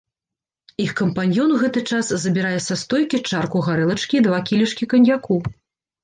Іх кампаньён ў гэты час забірае са стойкі чарку гарэлачкі і два кілішкі каньяку.